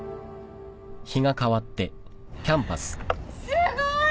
すごーい！